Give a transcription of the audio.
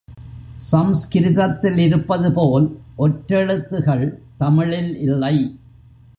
சம்ஸ்கிருதத்திலிருப்பது போல், ஒற்றெழுத்துகள் தமிழில் இல்லை.